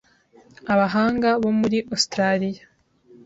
Abahanga bo muri Australia